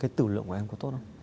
cái tử lượng của em có tốt không